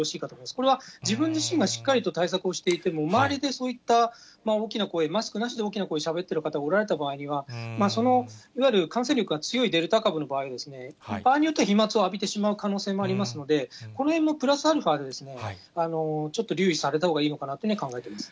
これは、自分自身がしっかりと対策をしていても、周りでそういった大きな声、マスクなしで大きな声でしゃべってる方おられた場合には、そのいわゆる感染力が強いデルタ株の場合、場合によっては飛まつを浴びてしまう可能性もありますので、このへんもプラスアルファで、ちょっと留意されたほうがいいのかなと考えています。